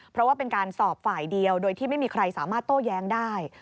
เพราะว่าเป็นการสอบฝ่ายเดียวโดยที่ไม่มีใครสามารถโต้แย้งได้